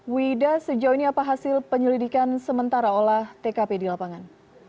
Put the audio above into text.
wida sejauh ini apa hasil penyelidikan sementara olah tkp di lapangan